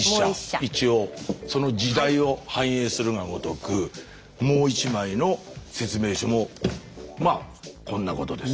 一応その時代を反映するがごとくもう一枚の説明書もまあこんなことです。